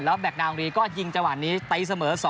แล้วแบคดาวน์อองรีก็ยิงจังหวะนี้